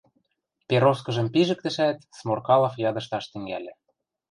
Пероскыжым пижӹктӹшӓт, Сморкалов ядышташ тӹнгӓльӹ.